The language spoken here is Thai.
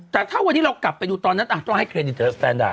แต่ถ้าวันนี้เรากลับไปดูตอนนั้นต้องให้เครดิตแฟนด่า